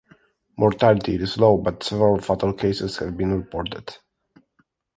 Mortality is low, but several fatal cases have been reported.